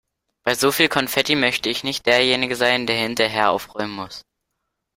Bei so viel Konfetti möchte ich nicht derjenige sein, der hinterher aufräumen muss.